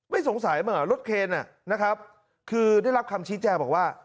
ไม่สงสัยเหมือนกับรถเครนอ่ะนะครับคือได้รับคำชี้แจ้วบอกว่า